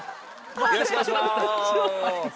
よろしくお願いします。